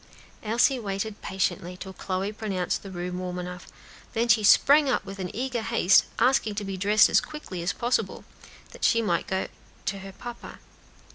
Elsie waited patiently till Chloe pronounced the room warm enough, then sprang up with an eager haste, asking to be dressed as quickly as possible, that she might go to her papa.